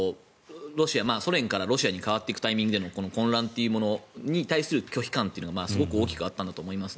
ソ連からロシアに変わっていくタイミングでの混乱に対する拒否感がすごく大きくあったんだと思います。